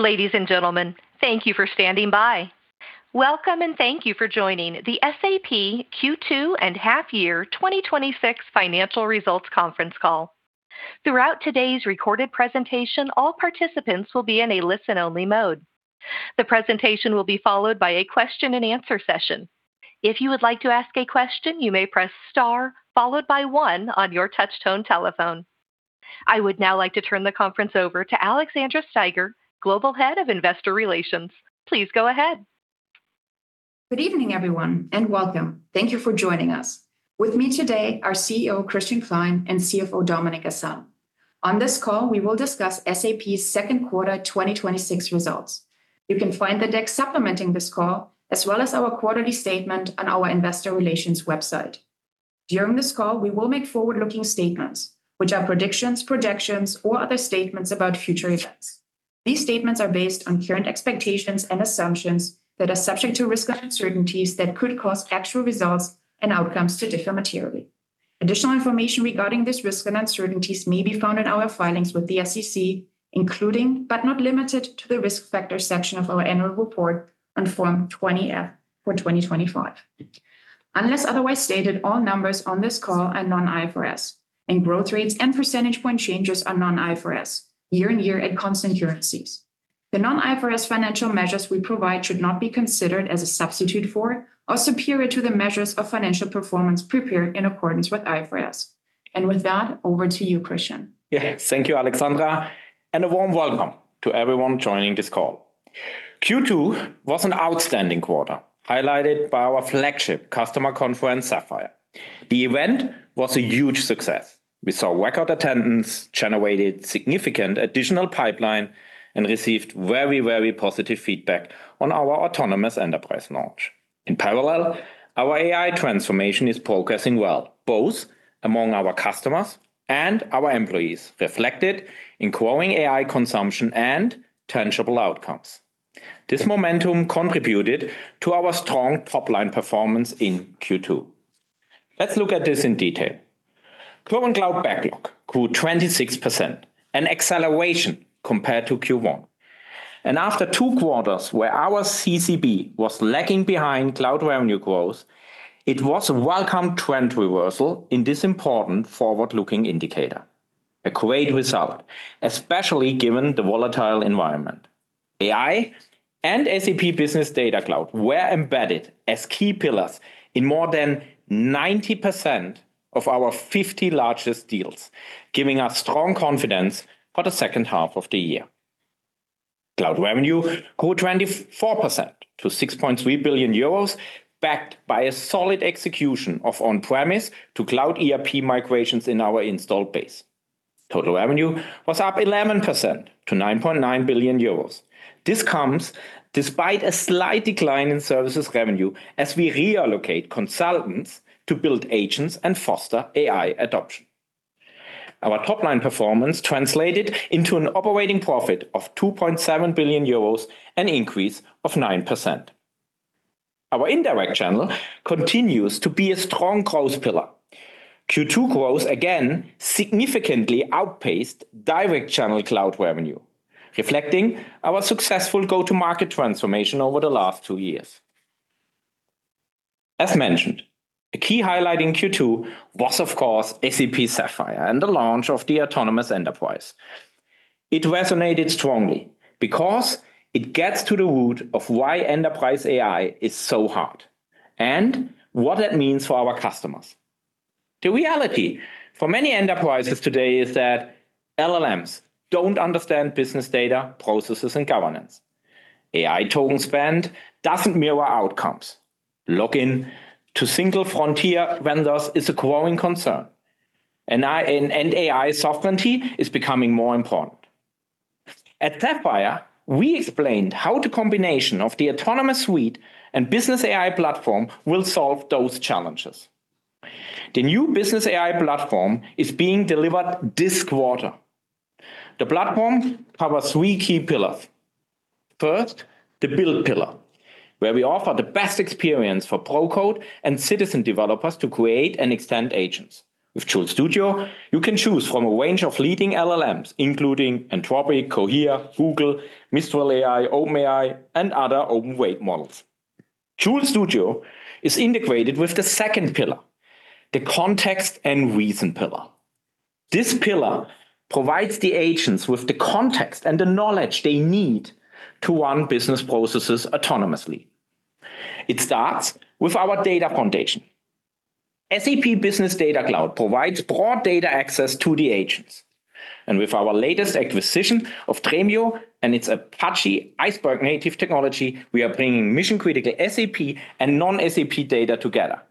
Ladies and gentlemen, thank you for standing by. Welcome and thank you for joining the SAP Q2 and half year 2026 financial results conference call. Throughout today's recorded presentation, all participants will be in a listen-only mode. The presentation will be followed by a question and answer session. If you would like to ask a question, you may press star followed by one on your touchtone telephone. I would now like to turn the conference over to Alexandra Steiger, Global Head of Investor Relations. Please go ahead. Good evening, everyone, and welcome. Thank you for joining us. With me today are Chief Executive Officer Christian Klein and Chief Financial Officer Dominik Asam. On this call, we will discuss SAP's second quarter 2026 results. You can find the deck supplementing this call, as well as our quarterly statement on our investor relations website. During this call, we will make forward-looking statements, which are predictions, projections, or other statements about future events. These statements are based on current expectations and assumptions that are subject to risks and uncertainties that could cause actual results and outcomes to differ materially. Additional information regarding these risks and uncertainties may be found in our filings with the SEC, including, but not limited to, the risk factors section of our annual report on Form 20-F for 2025. Unless otherwise stated, all numbers on this call are non-IFRS, and growth rates and percentage point changes are non-IFRS year-on-year at constant currencies. The non-IFRS financial measures we provide should not be considered as a substitute for or superior to the measures of financial performance prepared in accordance with IFRS. And with that, over to you, Christian. Yeah. Thank you, Alexandra, and a warm welcome to everyone joining this call. Q2 was an outstanding quarter, highlighted by our flagship customer conference, Sapphire. The event was a huge success. We saw record attendance, generated significant additional pipeline, and received very positive feedback on our autonomous enterprise launch. In parallel, our AI transformation is progressing well, both among our customers and our employees, reflected in growing AI consumption and tangible outcomes. This momentum contributed to our strong top-line performance in Q2. Let's look at this in detail. Current Cloud Backlog grew 26%, an acceleration compared to Q1. And after two quarters where our CCB was lagging behind cloud revenue growth, it was a welcome trend reversal in this important forward-looking indicator. A great result, especially given the volatile environment. AI and SAP Business Data Cloud were embedded as key pillars in more than 90% of our 50 largest deals, giving us strong confidence for the second half of the year. Cloud revenue grew 24% to 6.3 billion euros, backed by a solid execution of on-premise to cloud ERP migrations in our installed base. Total revenue was up 11% to 9.9 billion euros. This comes despite a slight decline in services revenue as we reallocate consultants to build agents and foster AI adoption. Our top-line performance translated into an operating profit of 2.7 billion euros, an increase of 9%. Our indirect channel continues to be a strong growth pillar. Q2 growth again significantly outpaced direct channel cloud revenue, reflecting our successful go-to-market transformation over the last two years. As mentioned, a key highlight in Q2 was, of course, SAP Sapphire and the launch of the Autonomous Enterprise. It resonated strongly because it gets to the root of why enterprise AI is so hard and what that means for our customers. The reality for many enterprises today is that LLMs don't understand business data, processes, and governance. AI token spend doesn't mirror outcomes. Log in to single-frontier vendors is a growing concern, and AI sovereignty is becoming more important. At Sapphire, we explained how the combination of the Autonomous Suite and Business AI Platform will solve those challenges. The new Business AI Platform is being delivered this quarter. The platform covers three key pillars. First, the build pillar, where we offer the best experience for pro-code and citizen developers to create and extend agents. With Joule Studio, you can choose from a range of leading LLMs, including Anthropic, Cohere, Google, Mistral AI, OpenAI, and other open-weight models. Joule Studio is integrated with the second pillar, the context and reason pillar. This pillar provides the agents with the context and the knowledge they need to run business processes autonomously. It starts with our data foundation. SAP Business Data Cloud provides broad data access to the agents. With our latest acquisition of Dremio and its Apache Iceberg native technology, we are bringing mission-critical SAP and non-SAP data together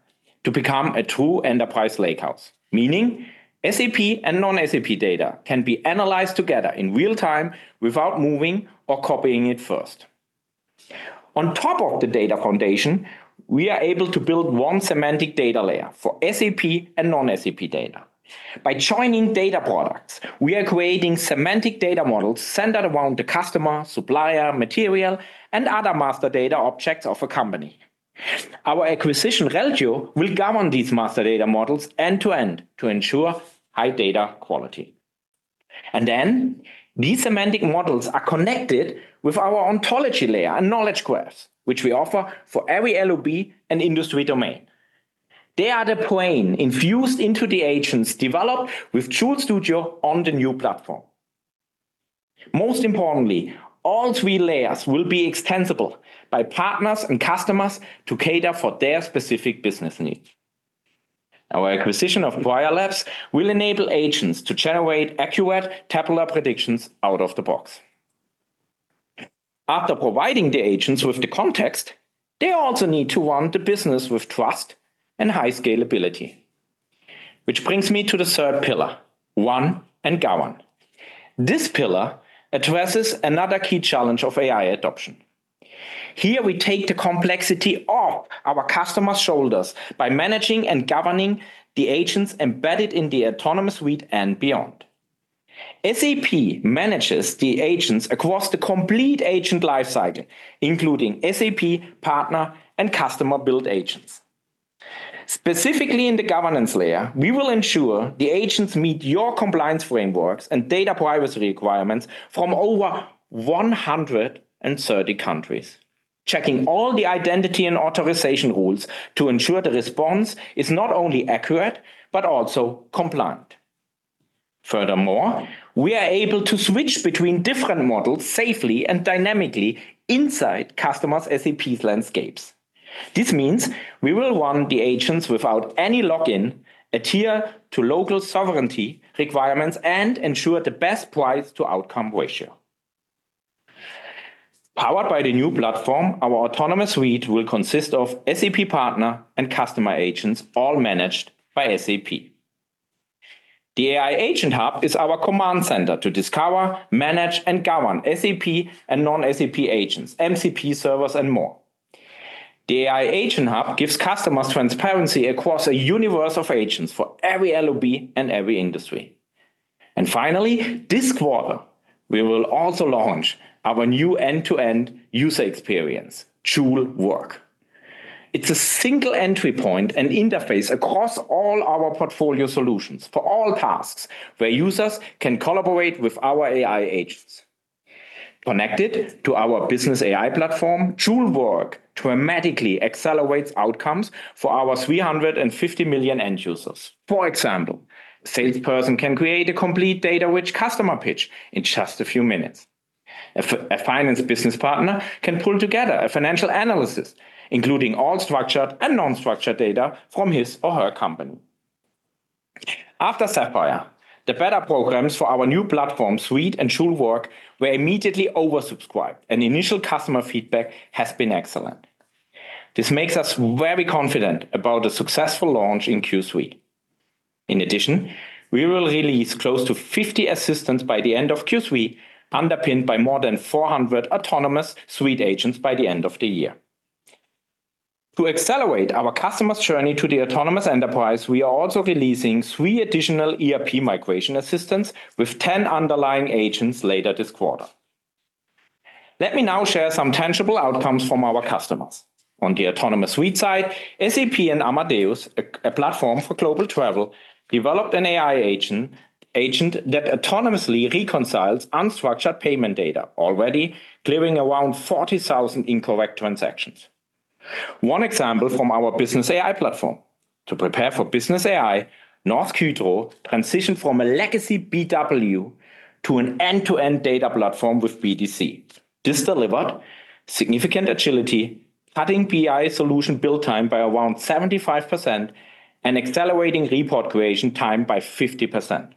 to become a true enterprise lakehouse, meaning SAP and non-SAP data can be analyzed together in real-time without moving or copying it first. On top of the data foundation, we are able to build one semantic data layer for SAP and non-SAP data. By joining data products, we are creating semantic data models centered around the customer, supplier, material, and other master data objects of a company. Our acquisition, Reltio, will govern these master data models end to end to ensure high data quality. These semantic models are connected with our ontology layer and knowledge graphs, which we offer for every LOB and industry domain. They are the brain infused into the agents developed with Joule Studio on the new platform. Most importantly, all three layers will be extensible by partners and customers to cater for their specific business needs. Our acquisition of Prior Labs will enable agents to generate accurate tabular predictions out of the box. After providing the agents with the context, they also need to run the business with trust and high scalability. Which brings me to the third pillar, run and govern. This pillar addresses another key challenge of AI adoption. Here we take the complexity off our customers' shoulders by managing and governing the agents embedded in the autonomous suite and beyond. SAP manages the agents across the complete agent life cycle, including SAP, partner, and customer-built agents. Specifically in the governance layer, we will ensure the agents meet your compliance frameworks and data privacy requirements from over 130 countries, checking all the identity and authorization rules to ensure the response is not only accurate, but also compliant. Furthermore, we are able to switch between different models safely and dynamically inside customers' SAP landscapes. This means we will run the agents without any login, adhere to local sovereignty requirements, and ensure the best price-to-outcome ratio. Powered by the new platform, our autonomous suite will consist of SAP partner and customer agents, all managed by SAP. The SAP AI Agent Hub is our command center to discover, manage, and govern SAP and non-SAP agents, MCP servers, and more. The SAP AI Agent Hub gives customers transparency across a universe of agents for every LOB and every industry. Finally, this quarter, we will also launch our new end-to-end user experience, Joule Work. It's a single entry point and interface across all our portfolio solutions for all tasks where users can collaborate with our AI agents. Connected to our Business AI platform, Joule Work dramatically accelerates outcomes for our 350 million end users. For example, a salesperson can create a complete data-rich customer pitch in just a few minutes. A finance business partner can pull together a financial analysis, including all structured and non-structured data from his or her company. After SAP Sapphire, the beta programs for our new platform suite and Joule Work were immediately oversubscribed, and initial customer feedback has been excellent. This makes us very confident about a successful launch in Q3. In addition, we will release close to 50 assistants by the end of Q3, underpinned by more than 400 autonomous suite agents by the end of the year. To accelerate our customers' journey to the autonomous enterprise, we are also releasing three additional ERP migration assistants with 10 underlying agents later this quarter. Let me now share some tangible outcomes from our customers. On the autonomous suite side, SAP and Amadeus, a platform for global travel, developed an AI agent that autonomously reconciles unstructured payment data, already clearing around 40,000 incorrect transactions. One example from our Business AI platform. To prepare for Business AI, Northcote transitioned from a legacy BW to an end-to-end data platform with SAP Business Data Cloud. This delivered significant agility, cutting BI solution build time by around 75% and accelerating report creation time by 50%.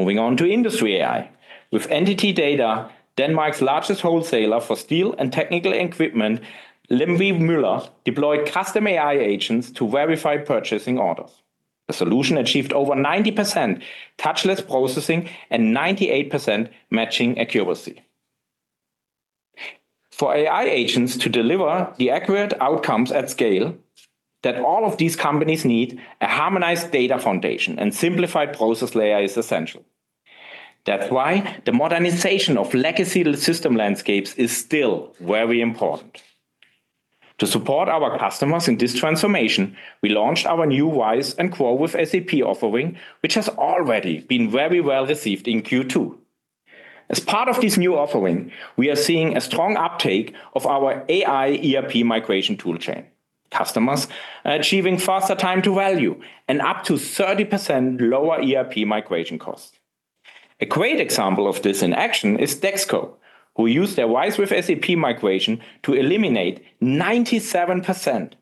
Moving on to Industry AI. With NTT Data, Denmark's largest wholesaler for steel and technical equipment, Lemvigh-Müller deployed custom AI agents to verify purchasing orders. The solution achieved over 90% touchless processing and 98% matching accuracy. For AI agents to deliver the accurate outcomes at scale that all of these companies need, a harmonized data foundation and simplified process layer is essential. That's why the modernization of legacy system landscapes is still very important. To support our customers in this transformation, we launched our new RISE with SAP and GROW with SAP offering, which has already been very well received in Q2. As part of this new offering, we are seeing a strong uptake of our AI ERP migration toolchain. Customers are achieving faster time to value and up to 30% lower ERP migration costs. A great example of this in action is Dexco, who used their RISE with SAP migration to eliminate 97%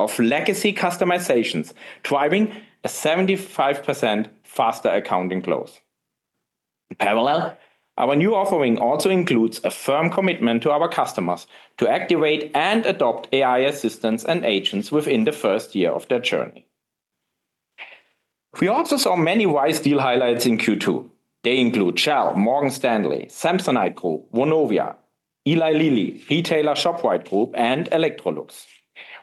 of legacy customizations, driving a 75% faster accounting close. In parallel, our new offering also includes a firm commitment to our customers to activate and adopt AI assistants and agents within the first year of their journey. We also saw many RISE deal highlights in Q2. They include Shell, Morgan Stanley, Samsonite Group, Vonovia, Eli Lilly, retailer Shoprite Group, and Electrolux.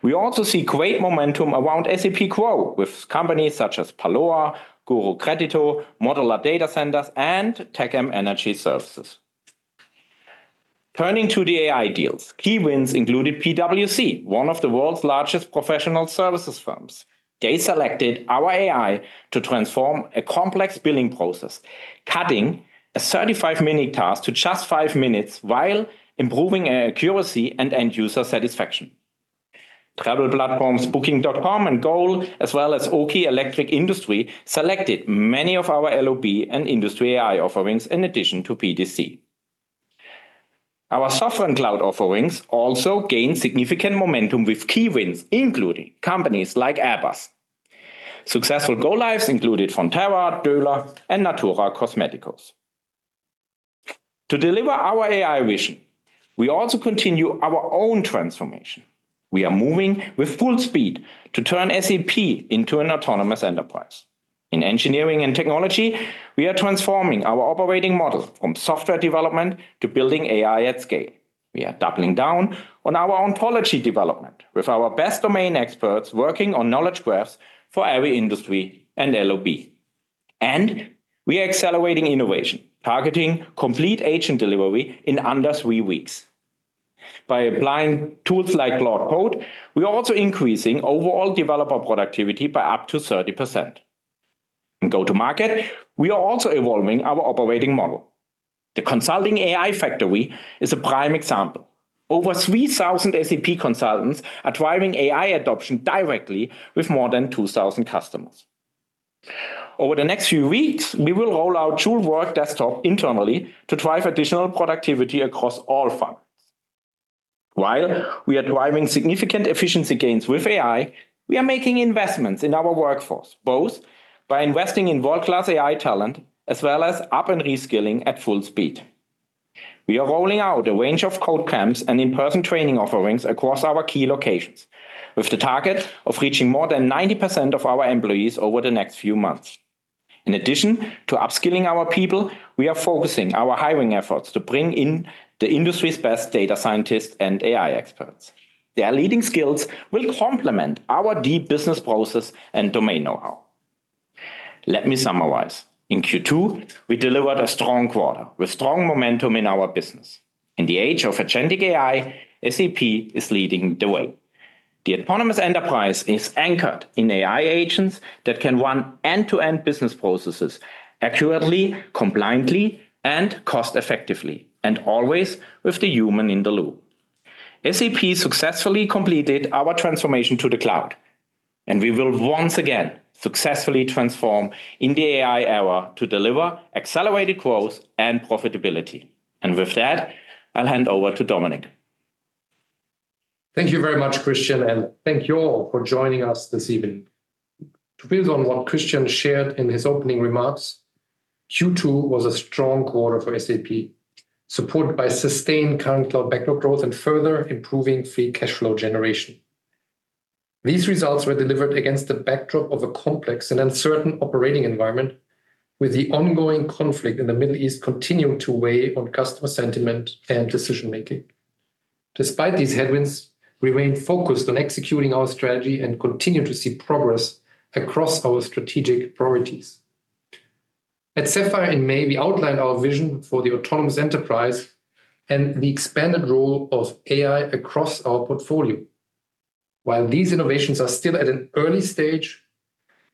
We also see great momentum around GROW with SAP with companies such as Aloha, Gooroo Crédito, Modular Data Centers, and Tecumseh Energy Services. Turning to the AI deals, key wins included PwC, one of the world's largest professional services firms. They selected our AI to transform a complex billing process, cutting a 35-minute task to just 5 minutes while improving accuracy and end-user satisfaction. Travel platforms Booking.com and GOL, as well as Oki Electric Industry, selected many of our LOB and industry AI offerings in addition to BDC. Our software and cloud offerings also gained significant momentum with key wins, including companies like ABUS. Successful go-lives included Fonterra, Döhler, and Natura Cosméticos. To deliver our AI vision, we also continue our own transformation. We are moving with full speed to turn SAP into an autonomous enterprise. In engineering and technology, we are transforming our operating model from software development to building AI at scale. We are doubling down on our ontology development with our best domain experts working on knowledge graphs for every industry and LOB. We are accelerating innovation, targeting complete agent delivery in under three weeks. By applying tools like low-code, we are also increasing overall developer productivity by up to 30%. In go-to-market, we are also evolving our operating model. The Consulting AI Factory is a prime example. Over 3,000 SAP consultants are driving AI adoption directly with more than 2,000 customers. Over the next few weeks, we will roll out Joule Work Desktop internally to drive additional productivity across all functions. While we are driving significant efficiency gains with AI, we are making investments in our workforce, both by investing in world-class AI talent as well as up and reskilling at full speed. We are rolling out a range of code camps and in-person training offerings across our key locations, with the target of reaching more than 90% of our employees over the next few months. In addition to upskilling our people, we are focusing our hiring efforts to bring in the industry's best data scientists and AI experts. Their leading skills will complement our deep business process and domain know-how. Let me summarize. In Q2, we delivered a strong quarter with strong momentum in our business. In the age of agentic AI, SAP is leading the way. The autonomous enterprise is anchored in AI agents that can run end-to-end business processes accurately, compliantly, and cost effectively, and always with the human in the loop. SAP successfully completed our transformation to the cloud, and we will once again successfully transform in the AI era to deliver accelerated growth and profitability. With that, I'll hand over to Dominik. Thank you very much, Christian, and thank you all for joining us this evening. To build on what Christian shared in his opening remarks, Q2 was a strong quarter for SAP, supported by sustained current cloud backlog growth and further improving free cash flow generation. These results were delivered against the backdrop of a complex and uncertain operating environment, with the ongoing conflict in the Middle East continuing to weigh on customer sentiment and decision-making. Despite these headwinds, we remain focused on executing our strategy and continue to see progress across our strategic priorities. At Sapphire in May, we outlined our vision for the autonomous enterprise and the expanded role of AI across our portfolio. While these innovations are still at an early stage,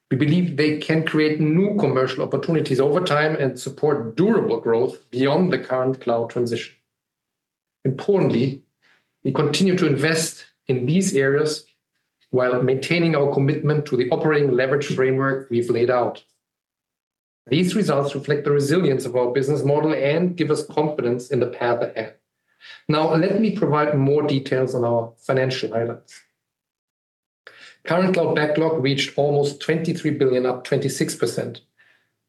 we believe they can create new commercial opportunities over time and support durable growth beyond the current cloud transition. Importantly, we continue to invest in these areas while maintaining our commitment to the operating leverage framework we've laid out. These results reflect the resilience of our business model and give us confidence in the path ahead. Let me provide more details on our financial highlights. Current cloud backlog reached almost 23 billion, up 26%,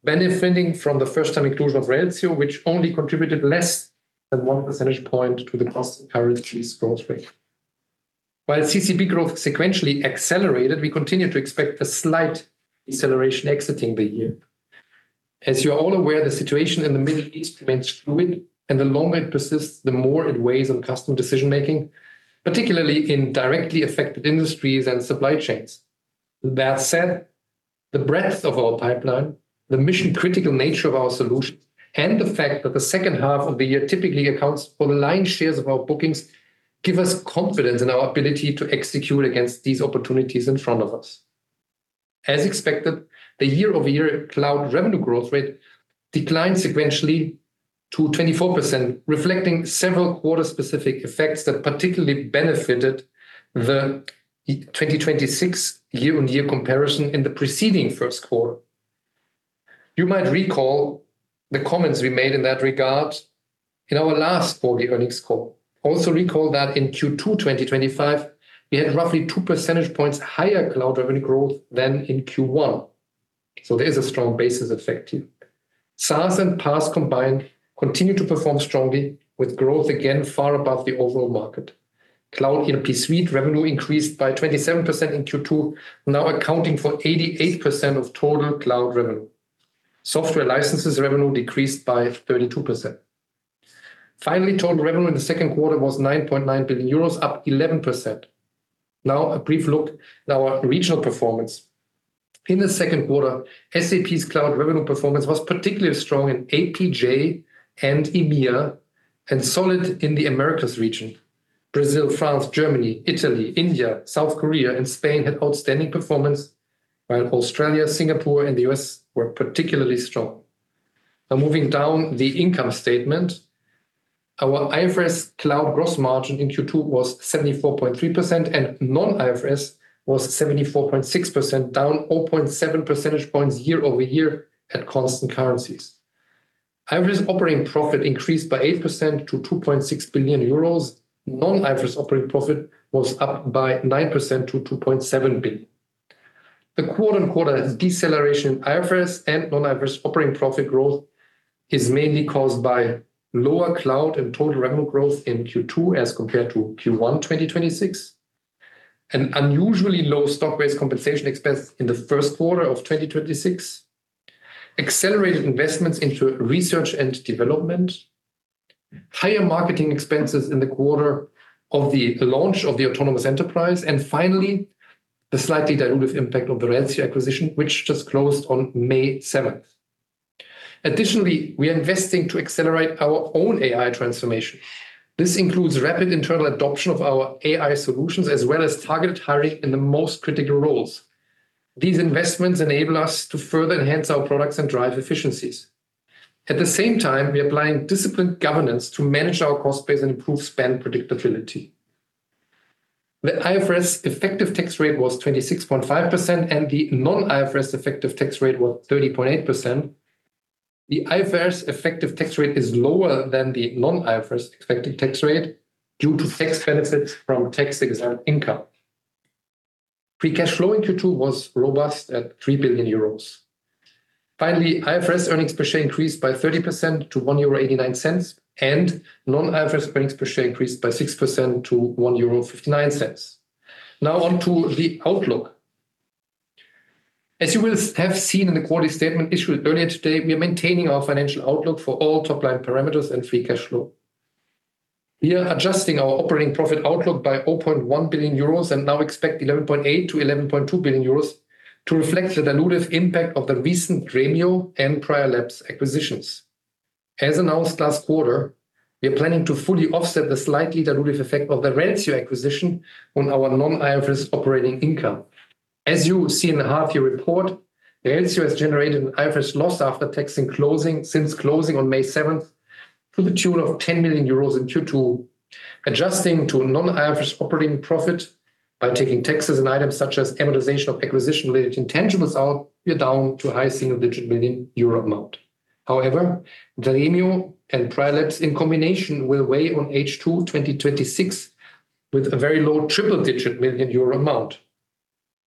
benefiting from the first-time inclusion of Reltio, which only contributed less than one percentage point to the constant currency growth rate. While CCB growth sequentially accelerated, we continue to expect a slight deceleration exiting the year. As you are all aware, the situation in the Middle East remains fluid, and the longer it persists, the more it weighs on customer decision-making, particularly in directly affected industries and supply chains. With that said, the breadth of our pipeline, the mission-critical nature of our solutions, and the fact that the second half of the year typically accounts for the lion's share of our bookings, give us confidence in our ability to execute against these opportunities in front of us. As expected, the year-over-year cloud revenue growth rate declined sequentially to 24%, reflecting several quarter-specific effects that particularly benefited the 2026 year-on-year comparison in the preceding first quarter. You might recall the comments we made in that regard in our last quarterly earnings call. Also recall that in Q2 2025, we had roughly two percentage points higher cloud revenue growth than in Q1. There is a strong basis effect here. SaaS and PaaS combined continue to perform strongly, with growth again far above the overall market. Cloud ERP suite revenue increased by 27% in Q2, now accounting for 88% of total cloud revenue. Software licenses revenue decreased by 32%. Finally, total revenue in the second quarter was €9.9 billion, up 11%. A brief look at our regional performance. In the second quarter, SAP's cloud revenue performance was particularly strong in APJ and EMEA, and solid in the Americas region. Brazil, France, Germany, Italy, India, South Korea, and Spain had outstanding performance, while Australia, Singapore, and the U.S. were particularly strong. Moving down the income statement. Our IFRS cloud gross margin in Q2 was 74.3%, and non-IFRS was 74.6%, down 0.7 percentage points year-over-year at constant currencies. IFRS operating profit increased by 8% to 2.6 billion euros. Non-IFRS operating profit was up by 9% to 2.7 billion. The quarter-over-quarter deceleration in IFRS and non-IFRS operating profit growth is mainly caused by lower cloud and total revenue growth in Q2 as compared to Q1 2026, an unusually low stock-based compensation expense in the first quarter of 2026, accelerated investments into research and development, higher marketing expenses in the quarter of the launch of the autonomous enterprise, and finally, the slightly dilutive impact of the Reltio acquisition, which just closed on May 7th. We are investing to accelerate our own AI transformation. This includes rapid internal adoption of our AI solutions, as well as targeted hiring in the most critical roles. These investments enable us to further enhance our products and drive efficiencies. At the same time, we are applying disciplined governance to manage our cost base and improve spend predictability. The IFRS effective tax rate was 26.5%, and the non-IFRS effective tax rate was 30.8%. The IFRS effective tax rate is lower than the non-IFRS effective tax rate due to tax benefits from tax-exempt income. Free cash flow in Q2 was robust at 3 billion euros. Finally, IFRS earnings per share increased by 30% to 1.89 euro, and non-IFRS earnings per share increased by 6% to 1.59 euro. On to the outlook. As you will have seen in the quarterly statement issued earlier today, we are maintaining our financial outlook for all top-line parameters and free cash flow. We are adjusting our operating profit outlook by 0.1 billion euros and expect 11.8 billion-11.2 billion euros to reflect the dilutive impact of the recent Dremio and Prior Labs acquisitions. As announced last quarter, we are planning to fully offset the slightly dilutive effect of the Reltio acquisition on our non-IFRS operating income. As you see in the half year report, Reltio has generated an IFRS loss after tax since closing on May 7th to the tune of 10 million euros in Q2. Adjusting to non-IFRS operating profit by taking taxes and items such as amortization of acquisition-related intangibles out, we are down to a high single-digit million euro amount. Dremio and Prior Labs in combination will weigh on H2 2026 with a very low triple-digit million euro amount.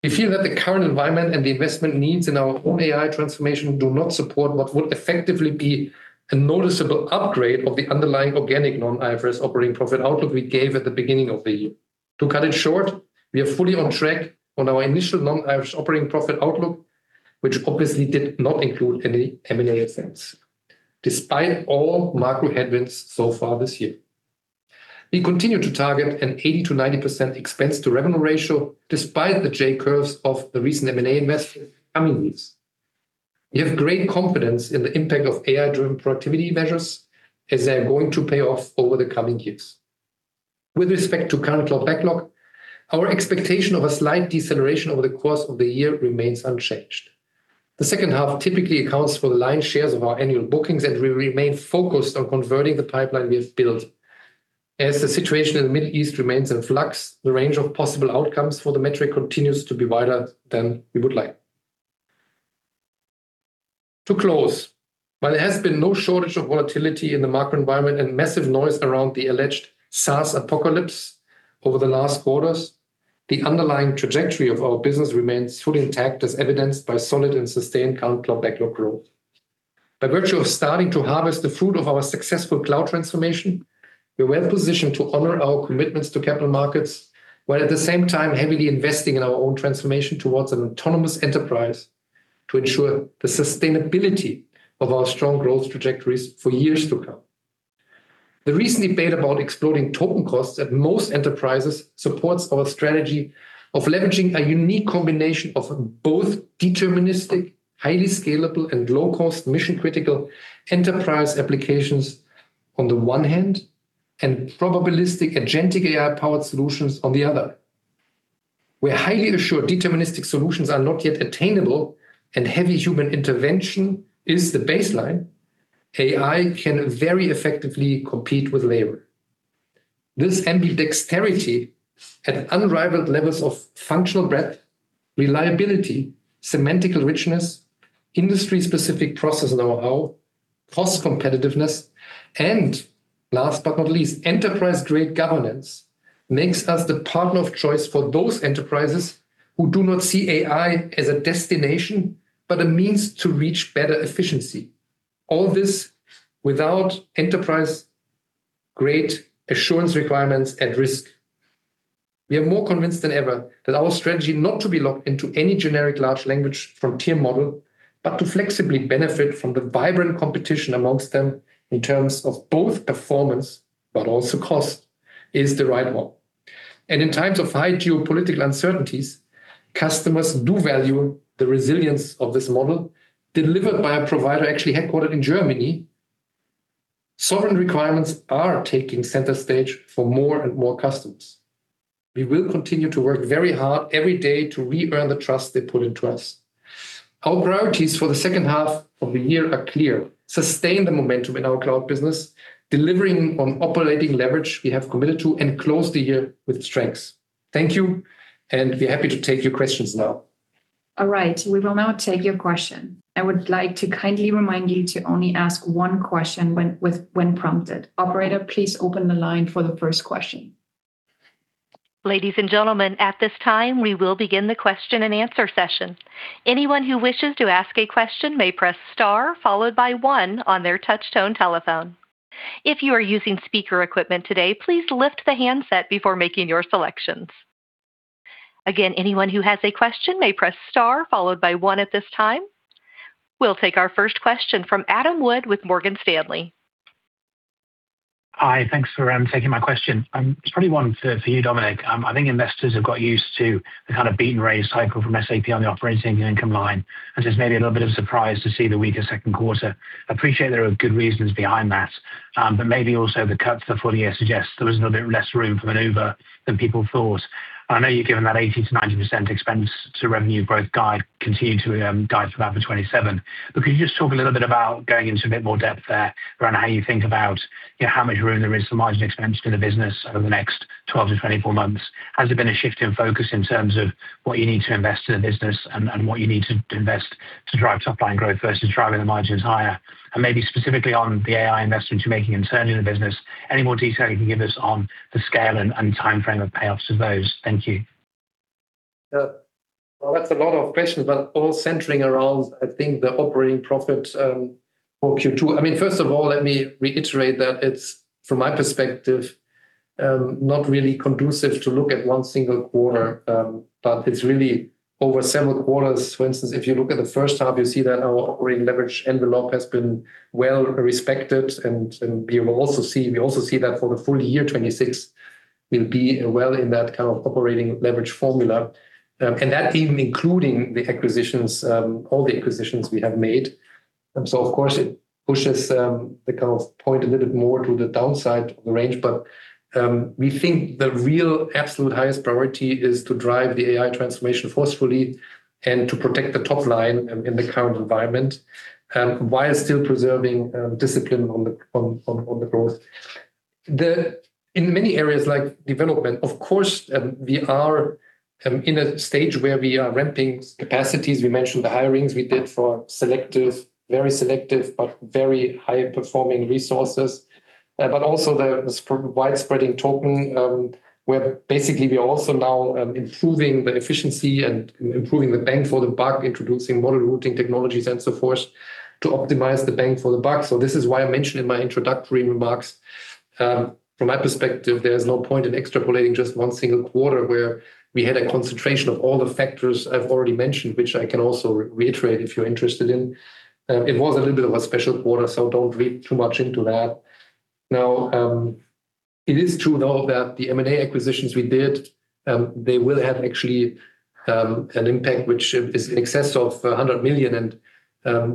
We feel that the current environment and the investment needs in our own AI transformation do not support what would effectively be a noticeable upgrade of the underlying organic non-IFRS operating profit outlook we gave at the beginning of the year. To cut it short, we are fully on track on our initial non-IFRS operating profit outlook, which obviously did not include any M&A expense, despite all macro headwinds so far this year. We continue to target an 80%-90% expense to revenue ratio despite the J curves of the recent M&A investments coming years. We have great confidence in the impact of AI-driven productivity measures as they are going to pay off over the coming years. With respect to current cloud backlog, our expectation of a slight deceleration over the course of the year remains unchanged. The second half typically accounts for the lion's shares of our annual bookings, and we remain focused on converting the pipeline we have built. As the situation in the Middle East remains in flux, the range of possible outcomes for the metric continues to be wider than we would like. To close, while there has been no shortage of volatility in the macro environment and massive noise around the alleged SaaS apocalypse over the last quarters, the underlying trajectory of our business remains fully intact, as evidenced by solid and sustained current cloud backlog growth. By virtue of starting to harvest the fruit of our successful cloud transformation, we are well-positioned to honor our commitments to capital markets, while at the same time heavily investing in our own transformation towards an autonomous enterprise to ensure the sustainability of our strong growth trajectories for years to come. The recent debate about exploding token costs at most enterprises supports our strategy of leveraging a unique combination of both deterministic, highly scalable, and low-cost mission-critical enterprise applications on the one hand, and probabilistic agentic AI-powered solutions on the other. We're highly assured deterministic solutions are not yet attainable and heavy human intervention is the baseline, AI can very effectively compete with labor. This ambidexterity at unrivaled levels of functional breadth, reliability, semantical richness, industry-specific process know-how, cost competitiveness, and, last but not least, enterprise-grade governance makes us the partner of choice for those enterprises who do not see AI as a destination, but a means to reach better efficiency. All this without enterprise-grade assurance requirements at risk. We are more convinced than ever that our strategy not to be locked into any generic large language frontier model, but to flexibly benefit from the vibrant competition amongst them in terms of both performance but also cost, is the right one. In times of high geopolitical uncertainties, customers do value the resilience of this model delivered by a provider actually headquartered in Germany. Sovereign requirements are taking center stage for more and more customers. We will continue to work very hard every day to re-earn the trust they put into us. Our priorities for the second half of the year are clear: sustain the momentum in our cloud business, delivering on operating leverage we have committed to, and close the year with strength. Thank you. We're happy to take your questions now. All right. We will now take your question. I would like to kindly remind you to only ask one question when prompted. Operator, please open the line for the first question. Ladies and gentlemen, at this time, we will begin the question and answer session. Anyone who wishes to ask a question may press star followed by one on their touch tone telephone. If you are using speaker equipment today, please lift the handset before making your selections. Again, anyone who has a question may press star followed by one at this time. We'll take our first question from Adam Wood with Morgan Stanley. Hi. Thanks for taking my question. It's probably one for you, Dominik. I think investors have got used to the kind of beat and raise cycle from SAP on the operating income line, and there's maybe a little bit of surprise to see the weaker second quarter. Appreciate there are good reasons behind that, but maybe also the cut to the full year suggests there was a little bit less room for maneuver than people thought. I know you've given that 80%-90% expense to revenue growth guide, continue to guide for that for 2027. Could you just talk a little bit about going into a bit more depth there around how you think about how much room there is for margin expense for the business over the next 12 to 24 months? Has there been a shift in focus in terms of what you need to invest in the business and what you need to invest to drive top line growth versus driving the margins higher? Maybe specifically on the AI investments you're making internally in the business, any more detail you can give us on the scale and timeframe of payoffs of those? Thank you. Yeah. That's a lot of questions, but all centering around, I think, the operating profit for Q2. First of all, let me reiterate that it's, from my perspective, not really conducive to look at one single quarter but it's really over several quarters. For instance, if you look at the first half, you'll see that our operating leverage envelope has been well respected, and we also see that for the full year 2026, we'll be well in that kind of operating leverage formula. That even including all the acquisitions we have made. Of course, it pushes the kind of point a little bit more to the downside of the range. But we think the real absolute highest priority is to drive the AI transformation forcefully and to protect the top line in the current environment, while still preserving discipline on the growth. In many areas like development, of course, we are in a stage where we are ramping capacities. We mentioned the hirings we did for very selective, but very high performing resources. Also the widespreading token, where basically we are also now improving the efficiency and improving the bang for the buck, introducing model rooting technologies and so forth to optimize the bang for the buck. This is why I mentioned in my introductory remarks, from my perspective, there's no point in extrapolating just one single quarter where we had a concentration of all the factors I've already mentioned, which I can also reiterate if you're interested in. It was a little bit of a special quarter, so don't read too much into that. It is true, though, that the M&A acquisitions we did, they will have actually an impact which is in excess of 100 million.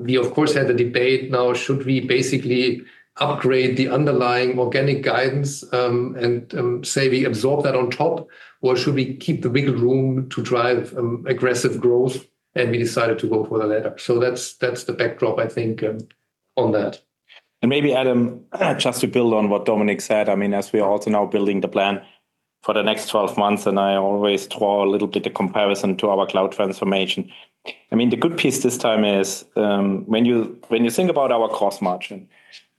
We of course had a debate now, should we basically upgrade the underlying organic guidance, and say we absorb that on top, or should we keep the bigger room to drive aggressive growth? We decided to go for the latter. That's the backdrop, I think, on that. Maybe, Adam, just to build on what Dominik said, as we are also now building the plan for the next 12 months, and I always draw a little bit of comparison to our cloud transformation. The good piece this time is, when you think about our cost margin,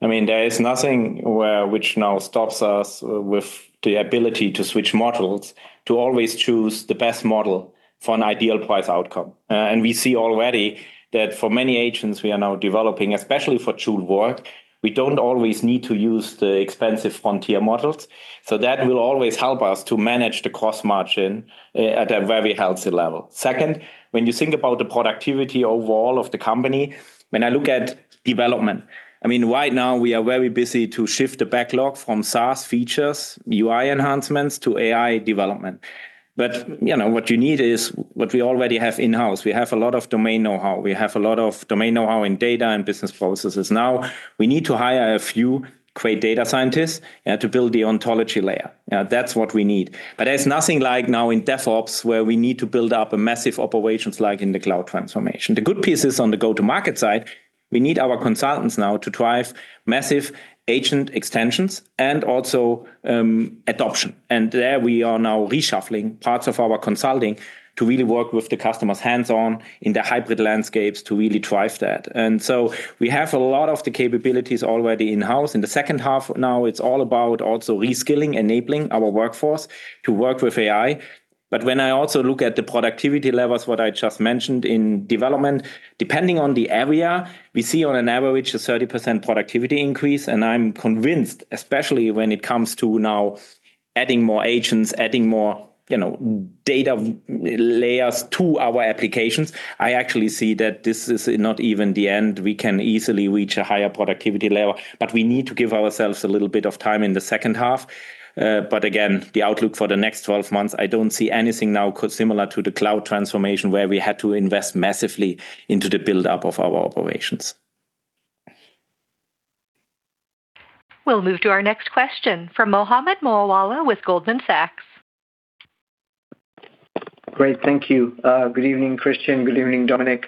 there is nothing which now stops us with the ability to switch models to always choose the best model for an ideal price outcome. We see already that for many agents we are now developing, especially for Joule Work, we don't always need to use the expensive frontier models. That will always help us to manage the cost margin at a very healthy level. Second, when you think about the productivity overall of the company, when I look at development, right now we are very busy to shift the backlog from SaaS features, UI enhancements to AI development. What you need is what we already have in-house. We have a lot of domain know-how. We have a lot of domain know-how in data and business processes now. We need to hire a few great data scientists to build the ontology layer. That's what we need. There's nothing like now in DevOps where we need to build up a massive operations like in the cloud transformation. The good piece is on the go-to-market side, we need our consultants now to drive massive agent extensions and also adoption. There we are now reshuffling parts of our consulting to really work with the customers hands-on in their hybrid landscapes to really drive that. We have a lot of the capabilities already in-house. In the second half now, it's all about also reskilling, enabling our workforce to work with AI. When I also look at the productivity levels, what I just mentioned in development, depending on the area, we see on an average a 30% productivity increase. I'm convinced, especially when it comes to now adding more agents, adding more data layers to our applications, I actually see that this is not even the end. We can easily reach a higher productivity level, but we need to give ourselves a little bit of time in the second half. Again, the outlook for the next 12 months, I don't see anything now similar to the cloud transformation where we had to invest massively into the buildup of our operations. We'll move to our next question from Mohammed Moawalla with Goldman Sachs. Great, thank you. Good evening, Christian. Good evening, Dominik.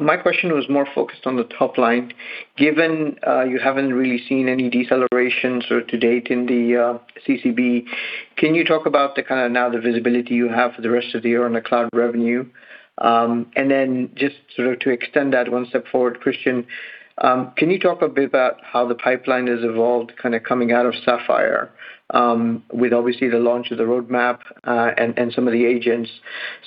My question was more focused on the top line. Given you haven't really seen any decelerations to date in the CCB, can you talk about now the visibility you have for the rest of the year on the cloud revenue? Then just to extend that one step forward, Christian, can you talk a bit about how the pipeline has evolved coming out of SAP Sapphire with obviously the launch of the roadmap, and some of the agents.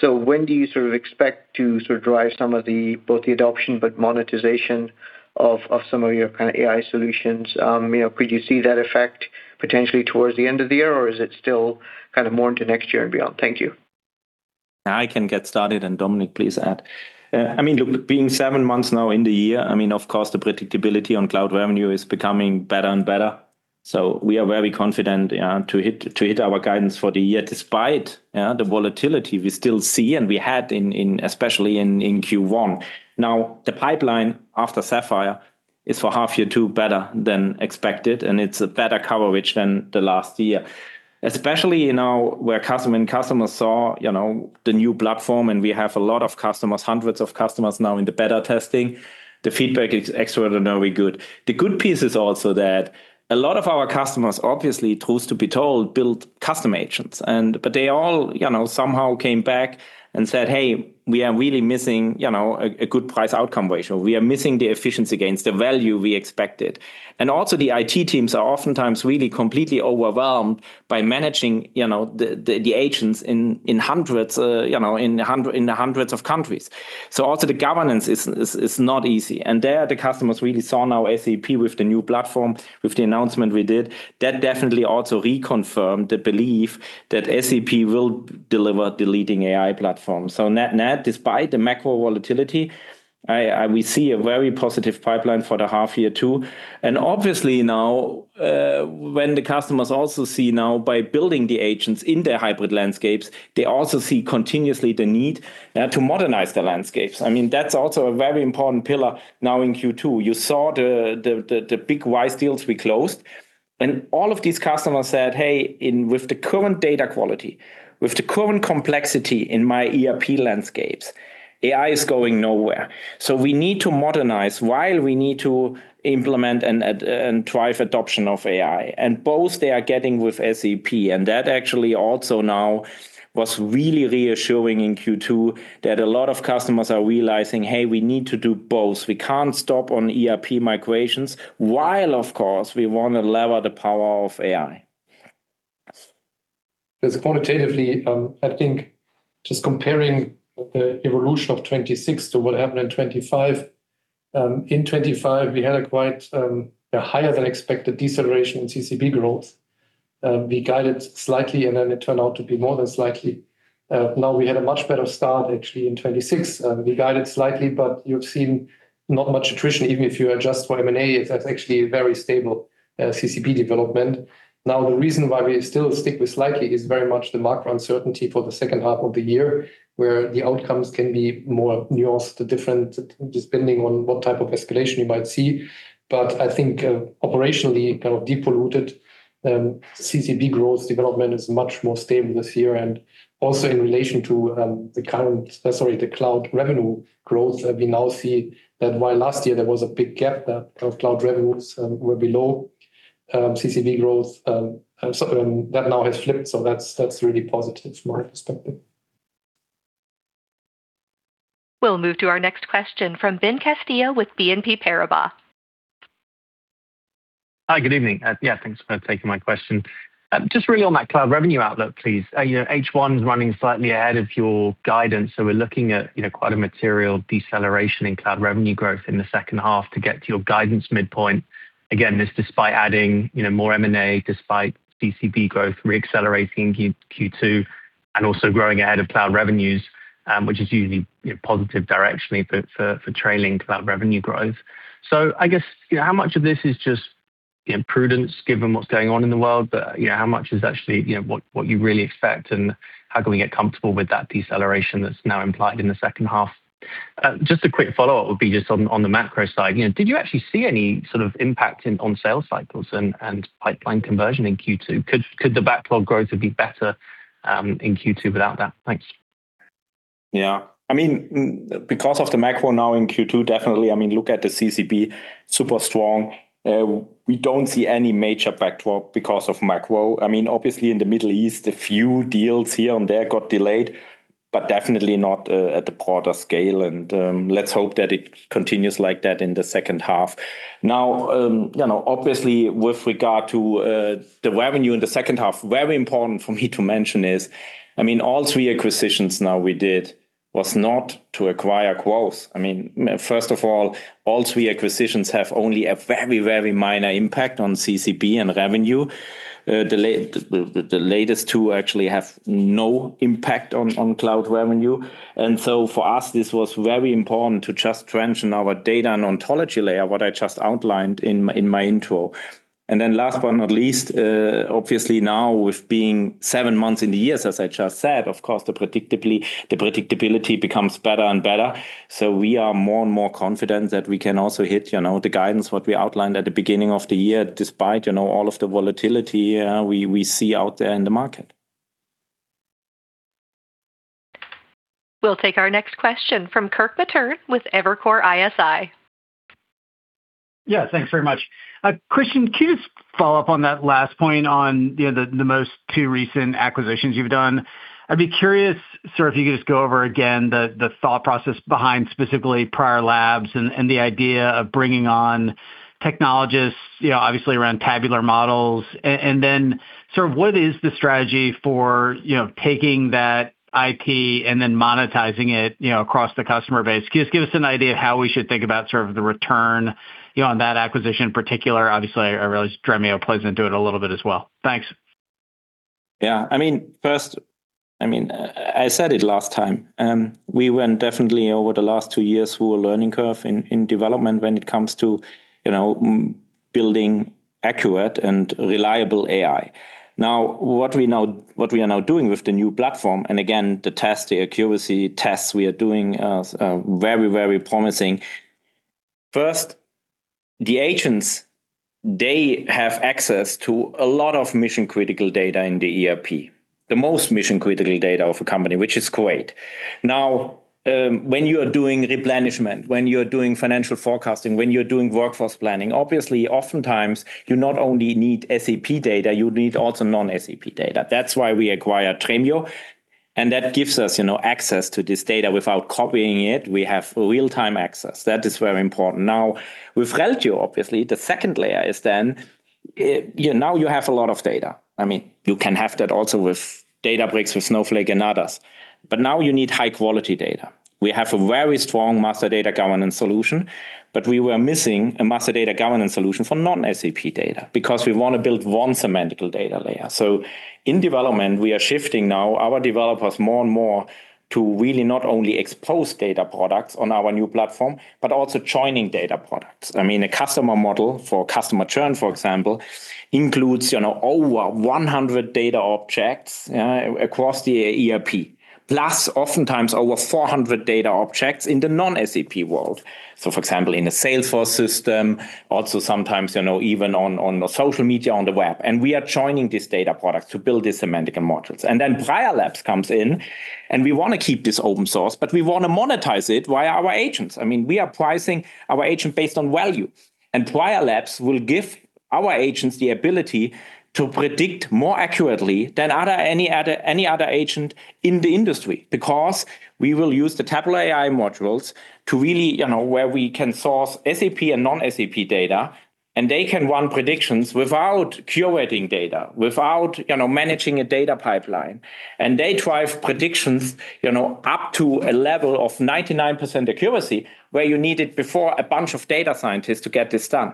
When do you expect to drive some of both the adoption but monetization of some of your AI solutions? Could you see that effect potentially towards the end of the year, or is it still more into next year and beyond? Thank you. I can get started, Dominik, please add. Being seven months now in the year, of course, the predictability on cloud revenue is becoming better and better. We are very confident to hit our guidance for the year, despite the volatility we still see and we had especially in Q1. The pipeline after SAP Sapphire is for half year two better than expected, and it's a better coverage than the last year. Especially now when customers saw the new platform, and we have a lot of customers, hundreds of customers now in the beta testing. The feedback is extraordinarily good. The good piece is also that a lot of our customers, obviously, truth to be told, build custom agents. They all somehow came back and said, "Hey, we are really missing a good price outcome ratio. We are missing the efficiency gains, the value we expected." Also the IT teams are oftentimes really completely overwhelmed by managing the agents in hundreds of countries. Also the governance is not easy. There the customers really saw now SAP with the new platform, with the announcement we did. That definitely also reconfirmed the belief that SAP will deliver the leading AI platform. Net, despite the macro volatility, we see a very positive pipeline for the half year two. Obviously now, when the customers also see now by building the agents in their hybrid landscapes, they also see continuously the need to modernize the landscapes. That's also a very important pillar now in Q2. You saw the big RISE deals we closed, all of these customers said, "Hey, with the current data quality, with the current complexity in my ERP landscapes, AI is going nowhere." We need to modernize while we need to implement and drive adoption of AI. Both they are getting with SAP. That actually also now was really reassuring in Q2 that a lot of customers are realizing, hey, we need to do both. We can't stop on ERP migrations, while of course we want to lever the power of AI. Just quantitatively, I think just comparing the evolution of 2026 to what happened in 2025. In 2025, we had a quite higher than expected deceleration in CCB growth. We guided slightly, then it turned out to be more than slightly. We had a much better start actually in 2026. We guided slightly, but you've seen not much attrition. Even if you adjust for M&A, that's actually a very stable CCB development. The reason why we still stick with slightly is very much the macro uncertainty for the second half of the year, where the outcomes can be more nuanced, different, just depending on what type of escalation you might see. I think operationally, deep-rooted CCB growth development is much more stable this year, and also in relation to the cloud revenue growth, we now see that while last year there was a big gap that cloud revenues were below CCB growth, that now has flipped. That's really positive from my perspective. We'll move to our next question from Ben Castillo-Bernaus with BNP Paribas. Hi, good evening. Thanks for taking my question. Just really on that cloud revenue outlook, please. H1 is running slightly ahead of your guidance. We're looking at quite a material deceleration in cloud revenue growth in the second half to get to your guidance midpoint. Again, this despite adding more M&A, despite CCB growth re-accelerating Q2, and also growing ahead of cloud revenues, which is usually positive directionally for trailing cloud revenue growth. I guess, how much of this is just prudence given what's going on in the world, but how much is actually what you really expect, and how can we get comfortable with that deceleration that's now implied in the second half? Just a quick follow-up would be just on the macro side. Did you actually see any sort of impact on sales cycles and pipeline conversion in Q2? Could the backlog growth have been better in Q2 without that? Thanks. Yeah. Because of the macro now in Q2, definitely, look at the CCB, super strong. We don't see any major backlog because of macro. Obviously in the Middle East, a few deals here and there got delayed, but definitely not at the broader scale, and let's hope that it continues like that in the second half. Obviously with regard to the revenue in the second half, very important for me to mention is, all three acquisitions now we did was not to acquire growth. First of all three acquisitions have only a very, very minor impact on CCB and revenue. The latest two actually have no impact on cloud revenue. For us, this was very important to just strengthen our data and ontology layer, what I just outlined in my intro. Last but not least, obviously now with being seven months in the year, as I just said, of course, the predictability becomes better and better. We are more and more confident that we can also hit the guidance what we outlined at the beginning of the year despite all of the volatility we see out there in the market. We'll take our next question from Kirk Materne with Evercore ISI. Yeah, thanks very much. Christian, can you just follow up on that last point on the most two recent acquisitions you've done? I'd be curious, sir, if you could just go over again the thought process behind specifically Prior Labs and the idea of bringing on technologists, obviously around tabular models. Sir, what is the strategy for taking that IP and then monetizing it across the customer base? Can you just give us an idea of how we should think about the return on that acquisition in particular? Obviously, I realize Dremio plays into it a little bit as well. Thanks. Yeah. First, I said it last time. We went definitely over the last two years through a learning curve in development when it comes to building accurate and reliable AI. What we are now doing with the new platform, the accuracy tests we are doing are very promising. First, the agents, they have access to a lot of mission-critical data in the ERP, the most mission-critical data of a company, which is great. When you are doing replenishment, when you're doing financial forecasting, when you're doing workforce planning, obviously oftentimes you not only need SAP data, you need also non-SAP data. That's why we acquired Dremio, that gives us access to this data without copying it. We have real-time access. That is very important. With Reltio, obviously, the second layer is you have a lot of data. You can have that also with databases with Snowflake and others. You need high-quality data. We have a very strong master data governance solution, we were missing a master data governance solution for non-SAP data because we want to build one semantical data layer. In development, we are shifting now our developers more and more to really not only expose data products on our new platform, but also joining data products. A customer model for customer churn, for example, includes over 100 data objects across the ERP, plus oftentimes over 400 data objects in the non-SAP world. For example, in a Salesforce system, also sometimes even on social media, on the web. We are joining these data products to build these semantical modules. Prior Labs comes in, we want to keep this open source, we want to monetize it via our agents. We are pricing our agent based on value, Prior Labs will give our agents the ability to predict more accurately than any other agent in the industry because we will use the tabular AI modules where we can source SAP and non-SAP data, they can run predictions without curating data, without managing a data pipeline. They drive predictions up to a level of 99% accuracy, where you needed before a bunch of data scientists to get this done.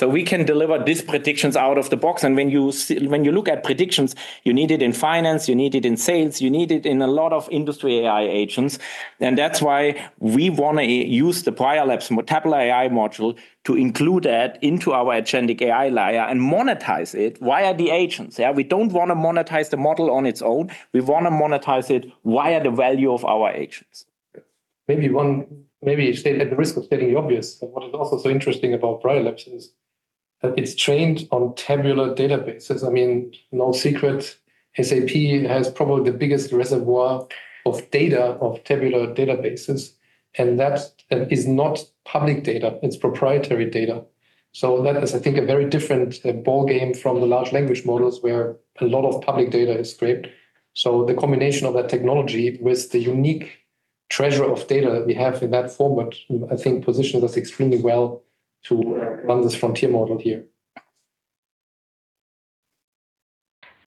We can deliver these predictions out of the box. When you look at predictions, you need it in finance, you need it in sales, you need it in a lot of industry AI agents. That's why we want to use the Prior Labs tabular AI module to include that into our agentic AI layer, monetize it via the agents. Yeah. We don't want to monetize the model on its own. We want to monetize it via the value of our agents. Maybe at the risk of stating the obvious, what is also so interesting about Prior Labs is that it is trained on tabular databases. No secret, SAP has probably the biggest reservoir of data of tabular databases, that is not public data. It is proprietary data. That is, I think, a very different ballgame from the large language models where a lot of public data is scraped. The combination of that technology with the unique treasure of data that we have in that format, I think positions us extremely well to run this frontier model here.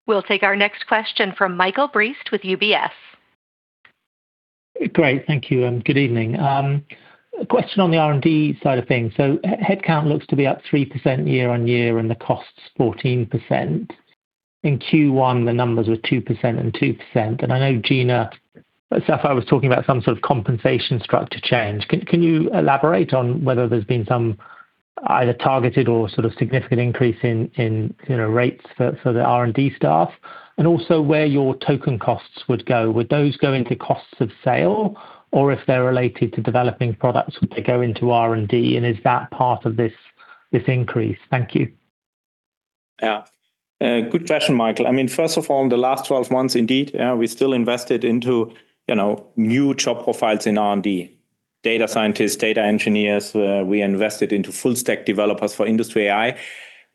We will take our next question from Michael Briest with UBS. Great. Thank you. Good evening. Question on the R&D side of things. Headcount looks to be up 3% year-on-year and the costs 14%. In Q1, the numbers were 2% and 2%. I know Gina Safa was talking about some sort of compensation structure change. Can you elaborate on whether there has been some either targeted or sort of significant increase in rates for the R&D staff? Also where your token costs would go. Would those go into costs of sale? If they are related to developing products, would they go into R&D? Is that part of this increase? Thank you. Yeah. Good question, Michael. First of all, in the last 12 months, indeed, we still invested into new job profiles in R&D, data scientists, data engineers. We invested into full stack developers for industry AI,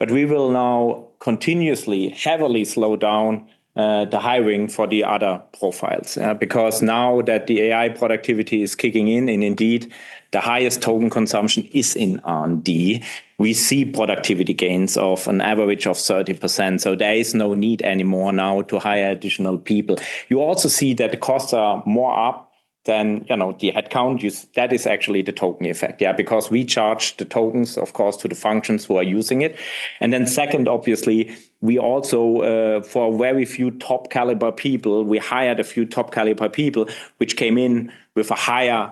we will now continuously, heavily slow down the hiring for the other profiles. Now that the AI productivity is kicking in, and indeed the highest token consumption is in R&D, we see productivity gains of an average of 30%, there is no need anymore now to hire additional people. You also see that the costs are more up than the headcount. That is actually the token effect. Yeah. We charge the tokens, of course, to the functions who are using it. Second, obviously, we also, for very few top caliber people, we hired a few top caliber people, which came in with a higher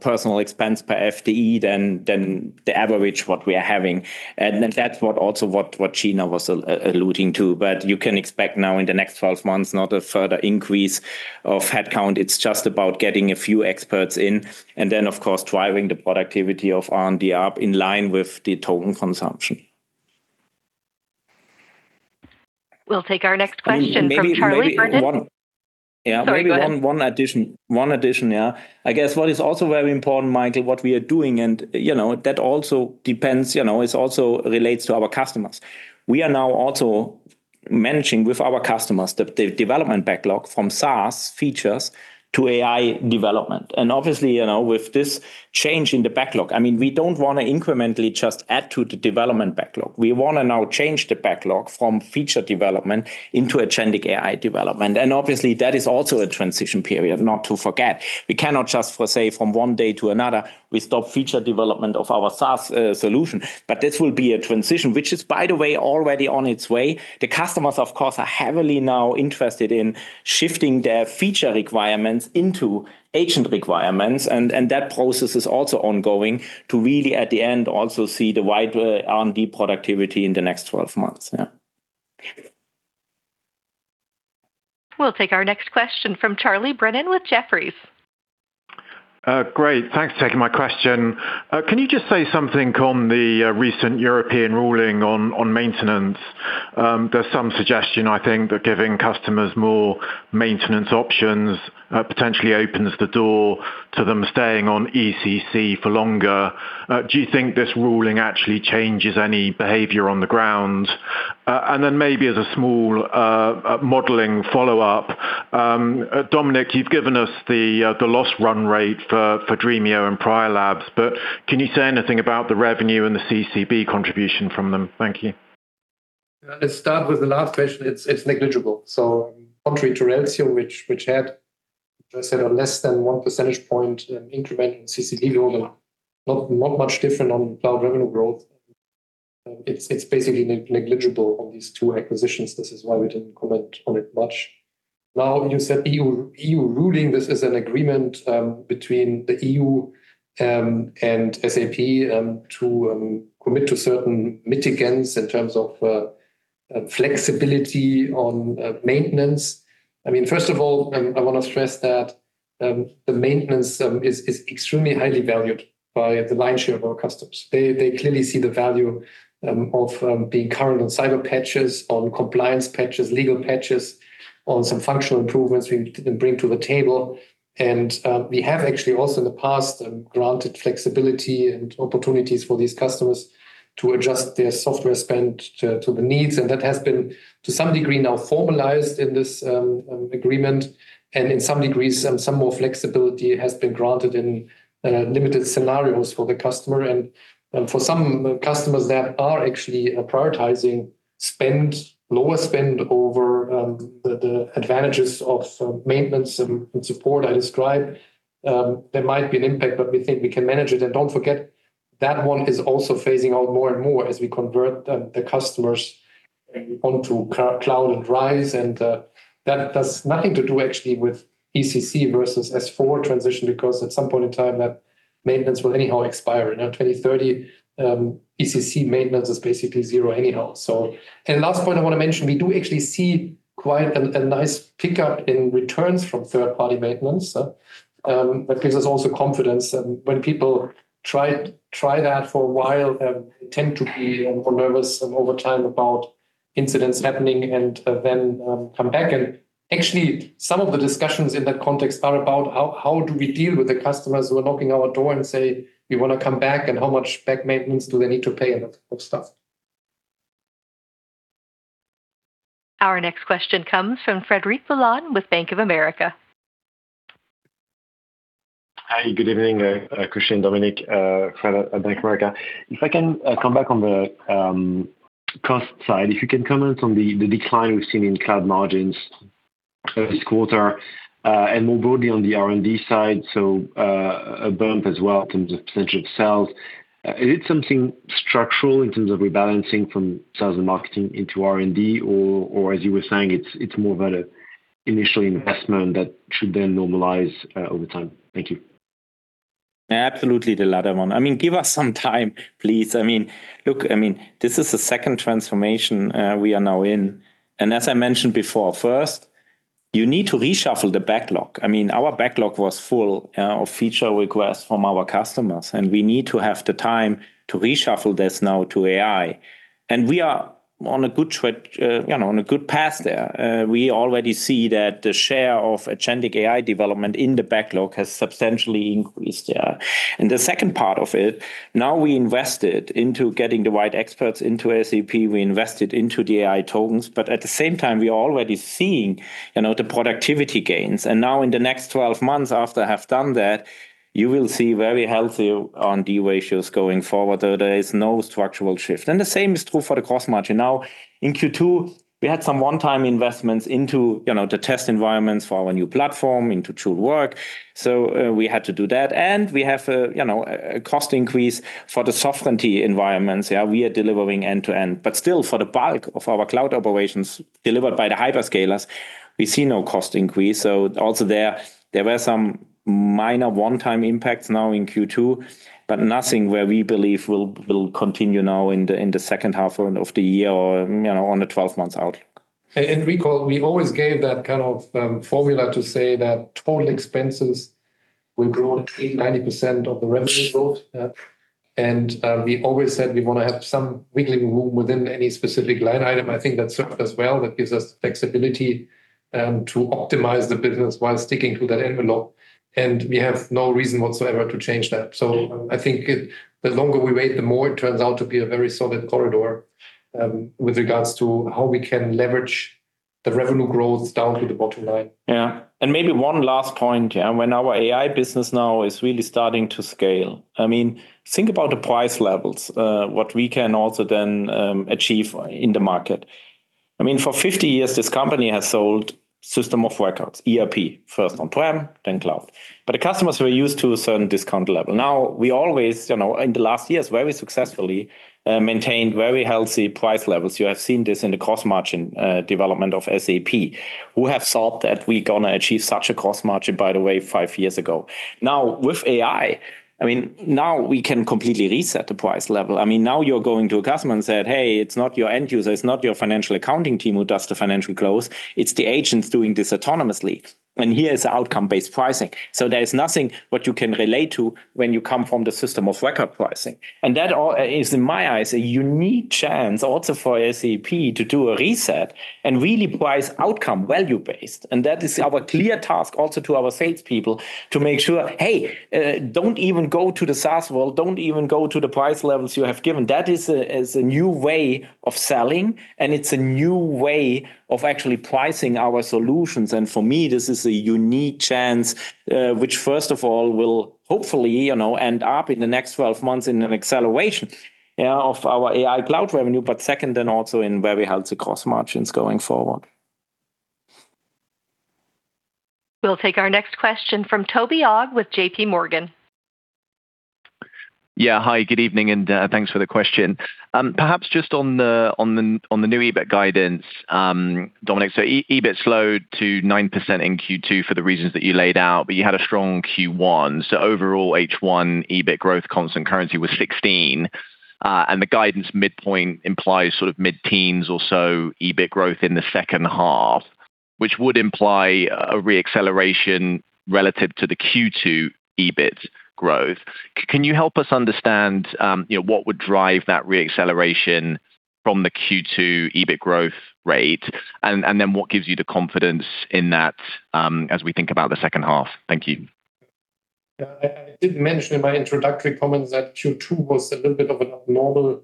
personal expense per FTE than the average what we are having. That's also what Gina was alluding to. You can expect now in the next 12 months not a further increase of headcount. It's just about getting a few experts in and then, of course, driving the productivity of R&D up in line with the token consumption. We'll take our next question from Charles Brennan Maybe one- Sorry, go ahead. Maybe one addition. I guess what is also very important, Michael, what we are doing, and that also relates to our customers. We are now also managing with our customers the development backlog from SaaS features to AI development. Obviously, with this change in the backlog, we don't want to incrementally just add to the development backlog. We want to now change the backlog from feature development into agentic AI development. Obviously, that is also a transition period, not to forget. We cannot just say from one day to another, we stop feature development of our SaaS solution. This will be a transition, which is, by the way, already on its way. The customers, of course, are heavily now interested in shifting their feature requirements into agent requirements. That process is also ongoing to really, at the end, also see the wide R&D productivity in the next 12 months. Yeah. We'll take our next question from Charles Brennan with Jefferies. Great. Thanks for taking my question. Can you just say something on the recent European ruling on maintenance? There's some suggestion, I think, that giving customers more maintenance options potentially opens the door to them staying on ECC for longer. Do you think this ruling actually changes any behavior on the ground? Then maybe as a small modeling follow-up, Dominik, you've given us the loss run rate for Dremio and Prior Labs, but can you say anything about the revenue and the CCB contribution from them? Thank you. Let's start with the last question. It's negligible. Contrary to Reltio, which had, as I said, a less than one percentage point increment in CCB revenue, not much different on cloud revenue growth. It's basically negligible on these two acquisitions. This is why we didn't comment on it much. Now, you said EU ruling. This is an agreement between the EU and SAP to commit to certain mitigants in terms of flexibility on maintenance. First of all, I want to stress that the maintenance is extremely highly valued by the lion's share of our customers. They clearly see the value of being current on cyber patches, on compliance patches, legal patches, on some functional improvements we bring to the table. We have actually also in the past, granted flexibility and opportunities for these customers to adjust their software spend to the needs. That has been, to some degree now, formalized in this agreement. In some degrees, some more flexibility has been granted in limited scenarios for the customer. For some customers that are actually prioritizing lower spend over the advantages of some maintenance and support I described, there might be an impact, but we think we can manage it. Don't forget, that one is also phasing out more and more as we convert the customers onto cloud and RISE. That has nothing to do actually with ECC versus S/4 transition, because at some point in time, that maintenance will anyhow expire. In 2030, ECC maintenance is basically zero anyhow. Last point I want to mention, we do actually see quite a nice pickup in returns from third-party maintenance. That gives us also confidence. When people try that for a while, they tend to be more nervous over time about incidents happening and then come back. Actually, some of the discussions in that context are about how do we deal with the customers who are knocking on our door and say, "We want to come back," and how much back maintenance do they need to pay and that sort of stuff. Our next question comes from Frederic Boulan with Bank of America. Hi, good evening, Christian, Dominik. Fred at Bank of America. If I can come back on the cost side, if you can comment on the decline we've seen in cloud margins this quarter, and more broadly on the R&D side, a bump as well in terms of potential sales. Is it something structural in terms of rebalancing from sales and marketing into R&D? Or as you were saying, it's more about an initial investment that should then normalize over time? Thank you. Absolutely the latter one. Give us some time, please. Look, this is the second transformation we are now in. As I mentioned before, first, you need to reshuffle the backlog. Our backlog was full of feature requests from our customers, and we need to have the time to reshuffle this now to AI. We are on a good path there. We already see that the share of agentic AI development in the backlog has substantially increased. The second part of it, now we invested into getting the right experts into SAP. We invested into the AI tokens, but at the same time, we are already seeing the productivity gains. Now in the next 12 months after have done that, you will see very healthy R&D ratios going forward. There is no structural shift. The same is true for the cost margin. Now, in Q2, we had some one-time investments into the test environments for our new platform, into Joule Work. We had to do that, and we have a cost increase for the sovereignty environments. We are delivering end to end, but still for the bulk of our cloud operations delivered by the hyperscalers, we see no cost increase. Also there were some minor one-time impacts now in Q2, but nothing where we believe will continue now in the second half of the year or on the 12 months out. Recall, we always gave that kind of formula to say that total expenses We brought in 90% of the revenue growth. We always said we want to have some wiggling room within any specific line item. I think that served us well. That gives us flexibility to optimize the business while sticking to that envelope. We have no reason whatsoever to change that. I think the longer we wait, the more it turns out to be a very solid corridor with regards to how we can leverage the revenue growth down to the bottom line. Maybe one last point, Our AI business now is really starting to scale. Think about the price levels, what we can also then achieve in the market. For 50 years, this company has sold system of records, ERP, first on-prem, then cloud. The customers were used to a certain discount level. We always, in the last years, very successfully maintained very healthy price levels. You have seen this in the cost margin development of SAP. Who have thought that we're going to achieve such a cost margin, by the way, five years ago? With AI, we can completely reset the price level. You're going to a customer and said, "Hey, it's not your end user, it's not your financial accounting team who does the financial close, it's the agents doing this autonomously." Here is outcome-based pricing. There is nothing what you can relate to when you come from the system of record pricing. That is, in my eyes, a unique chance also for SAP to do a reset and really price outcome value-based. That is our clear task also to our salespeople to make sure that, hey, don't even go to the SaaS world, don't even go to the price levels you have given. That is a new way of selling, and it's a new way of actually pricing our solutions. For me, this is a unique chance, which first of all, will hopefully end up in the next 12 months in an acceleration of our AI cloud revenue, but second, then also in very healthy cost margins going forward. We'll take our next question from Toby Ogg with JPMorgan. Hi, good evening, and thanks for the question. Perhaps just on the new EBIT guidance, Dominik. EBIT slowed to nine percent in Q2 for the reasons that you laid out, but you had a strong Q1. Overall, H1 EBIT growth constant currency was 16%. The guidance midpoint implies mid-teens or so EBIT growth in the second half, which would imply a re-acceleration relative to the Q2 EBIT growth. Can you help us understand what would drive that re-acceleration from the Q2 EBIT growth rate, and what gives you the confidence in that as we think about the second half? Thank you. Yeah. I did mention in my introductory comments that Q2 was a little bit of an abnormal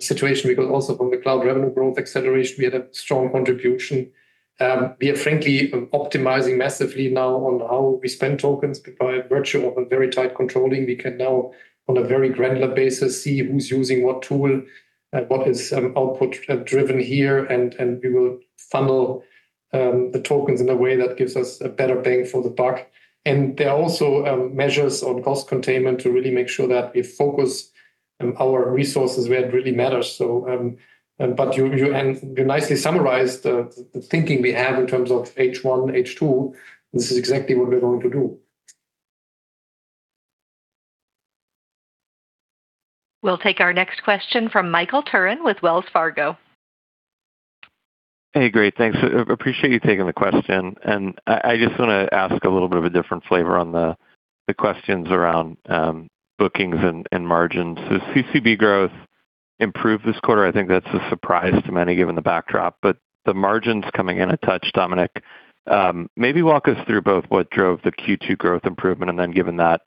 situation because also from the cloud revenue growth acceleration, we had a strong contribution. We are frankly optimizing massively now on how we spend tokens by virtue of a very tight controlling. We can now, on a very granular basis, see who's using what tool and what is output driven here, and we will funnel the tokens in a way that gives us a better bang for the buck. There are also measures on cost containment to really make sure that we focus our resources where it really matters. You nicely summarized the thinking we have in terms of H1, H2. This is exactly what we're going to do. We'll take our next question from Michael Turrin with Wells Fargo. Hey, great. Thanks. Appreciate you taking the question. I just want to ask a little bit of a different flavor on the questions around bookings and margins. CCB growth improved this quarter. I think that's a surprise to many, given the backdrop. The margins coming in a touch, Dominik. Maybe walk us through both what drove the Q2 growth improvement, and then given that,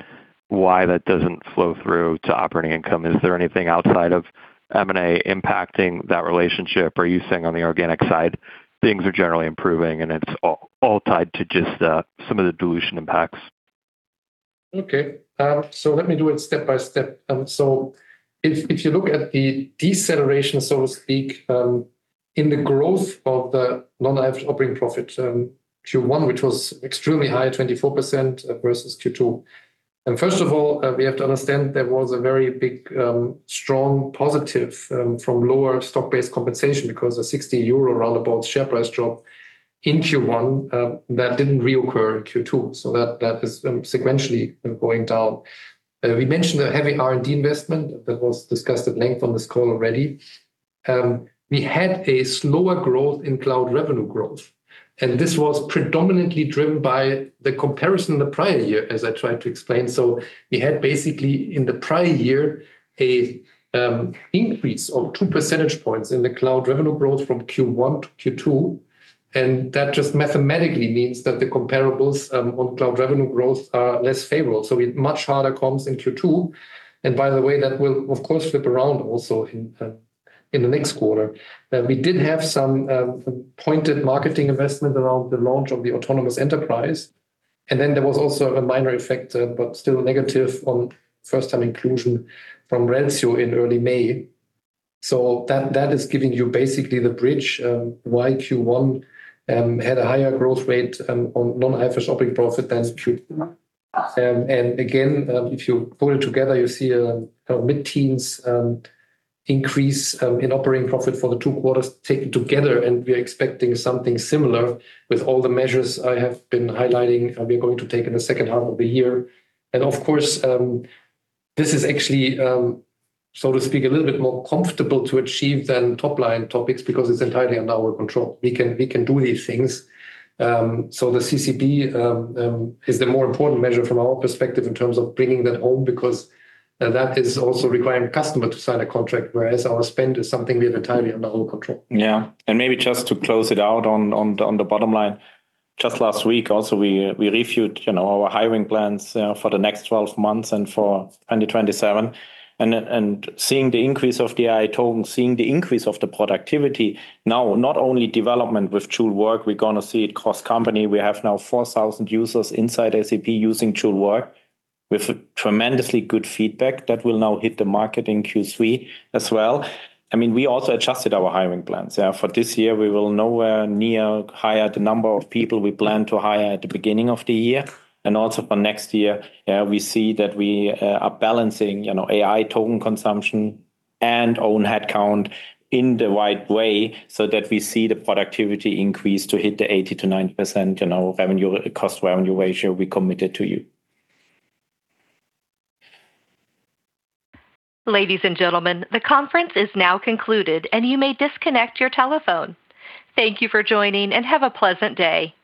why that doesn't flow through to operating income. Is there anything outside of M&A impacting that relationship? Are you saying on the organic side, things are generally improving, and it's all tied to just some of the dilution impacts? Okay. Let me do it step by step. If you look at the deceleration, so to speak, in the growth of the non-IFRS operating profit, Q1, which was extremely high, 24% versus Q2. First of all, we have to understand there was a very big, strong positive from lower stock-based compensation because a 60 euro roundabout share price drop in Q1 that didn't reoccur in Q2. That is sequentially going down. We mentioned a heavy R&D investment that was discussed at length on this call already. We had a slower growth in cloud revenue growth, and this was predominantly driven by the comparison in the prior year, as I tried to explain. We had basically, in the prior year, an increase of 2 percentage points in the cloud revenue growth from Q1-Q2, that just mathematically means that the comparables on cloud revenue growth are less favorable. We had much harder comps in Q2. By the way, that will of course flip around also in the next quarter. We did have some pointed marketing investment around the launch of the autonomous enterprise. Then there was also a minor effect, but still negative on first-time inclusion from Reltio in early May. That is giving you basically the bridge why Q1 had a higher growth rate on non-IFRS operating profit than Q2. Again, if you pull it together, you see a mid-teens increase in operating profit for the two quarters taken together, we are expecting something similar with all the measures I have been highlighting we're going to take in the second half of the year. Of course, this is actually, so to speak, a little bit more comfortable to achieve than top-line topics because it's entirely under our control. We can do these things. The CCB is the more important measure from our perspective in terms of bringing that home, because that is also requiring customer to sign a contract, whereas our spend is something we have entirely under our control. Maybe just to close it out on the bottom line. Just last week also, we reviewed our hiring plans for the next 12 months and for 2027. Seeing the increase of the AI token, seeing the increase of the productivity, now not only development with Joule Work, we're going to see it cross company. We have now 4,000 users inside SAP using Joule Work with tremendously good feedback. That will now hit the market in Q3 as well. We also adjusted our hiring plans. For this year, we will nowhere near hire the number of people we planned to hire at the beginning of the year. Also for next year, we see that we are balancing AI token consumption and own headcount in the right way so that we see the productivity increase to hit the 80%-90% cost revenue ratio we committed to you. Ladies and gentlemen, the conference is now concluded, and you may disconnect your telephone. Thank you for joining, and have a pleasant day.